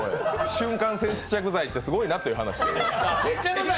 瞬間接着剤ってすごいなっていう話です。